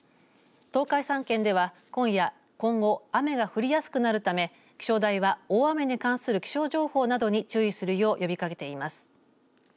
東海３県では今夜今後、雨が降りやすくなるため気象台は大雨に関する気象情報などに注意するよう呼びかけています。